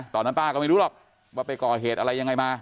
ตอนนั้นป้าก็ไม่รู้หรอกว่าไปก่อเหตุอะไรยังไงมา